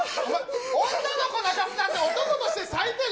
女の子泣かすなんて、男として最低の。